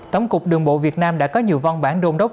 tổng cục đường bộ việt nam đã có nhiều văn bản đôn đốc